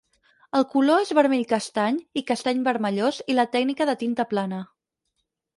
El color és vermell-castany i castany-vermellós i la tècnica de tinta plana.